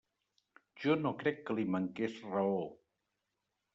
Jo no crec que li manqués raó.